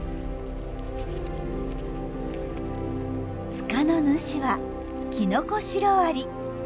塚の主はキノコシロアリ。